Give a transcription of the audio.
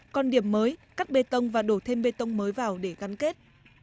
còn điểm mới cắt bê tông và đổ thêm bê tông mới vào để gắn kết